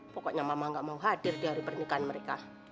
pokoknya mama gak mau hadir di hari pernikahan mereka